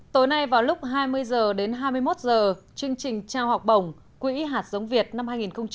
tối nay vào lúc hai mươi h đến hai mươi một h chương trình trao học bổng quỹ hạt giống việt năm hai nghìn một mươi chín